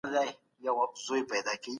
ما یو نوی انځور بشپړ کړی دی.